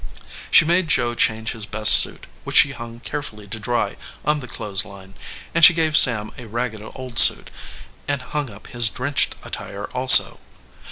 She made Joe change his best suit, which she hung carefully to dry on the clothes line, and she gave Sam a ragged old suit, and hung up his drenched attire also.